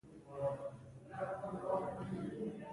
د شلي کوریا حکومت د پیسو اصلاحات پیل کړل.